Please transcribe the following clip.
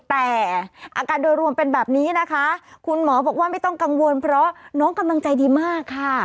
แต่อาการโดยรวมเป็นแบบนี้นะคะคุณหมอบอกว่าไม่ต้องกังวลเพราะน้องกำลังใจดีมากค่ะ